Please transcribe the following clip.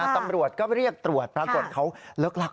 ตำรวจก็เรียกตรวจปรากฏเขาเลิกลัก